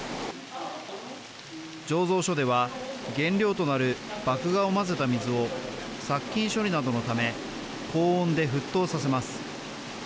醸造所では原料となる麦芽を混ぜた水を殺菌処理などのため高温で沸騰させます。